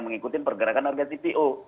mengikuti pergerakan harga cpo